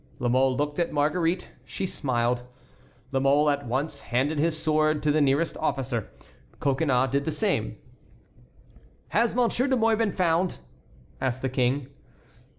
La Mole looked at Marguerite. She smiled. La Mole at once handed his sword to the nearest officer. Coconnas did the same. "Has Monsieur de Mouy been found?" asked the King.